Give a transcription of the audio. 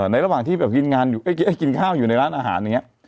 ระหว่างที่กินข้าวอยู่ในร้านอาหารอย่างนี้